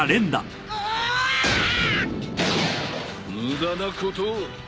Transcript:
無駄なことを。